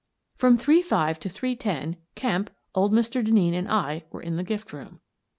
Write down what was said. "From three five to three ten Kemp, old Mr. Denneen, and I were in the gift room.